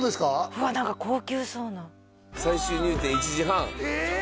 うわっ何か高級そうな最終入店１時半えっ！